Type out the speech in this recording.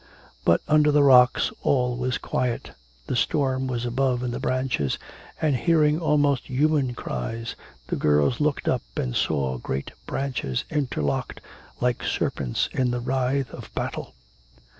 But under the rocks all was quiet, the storm was above in the branches, and, hearing almost human cries, the girls looked up and saw great branches interlocked like serpents in the writhe of battle.